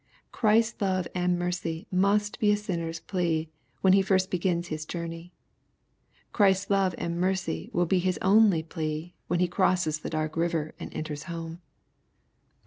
Christ's love and mercy must be a sinner's plea when he first begins his journey. Christ's love and mercy will be his only plea when he crosses the dark river and enters home.